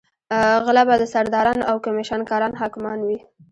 غله به سرداران او کمېشن کاران حاکمان وي.